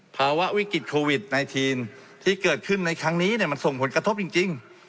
ภาวะวิกฤตโควิด๑๙ที่เกิดขึ้นในครั้งนี้มันส่งผลกระทบจริง